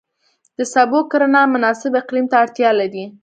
د سبو کرنه مناسب اقلیم ته اړتیا لري.